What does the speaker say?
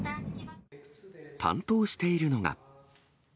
担当しているのが。